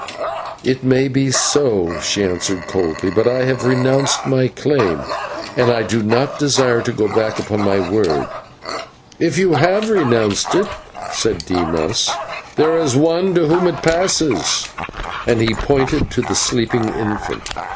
"It may be so," she answered coldly, "but I have renounced my claim and I do not desire to go back upon my word." "If you have renounced it," said Dimas, "there is one to whom it passes" and he pointed to the sleeping infant.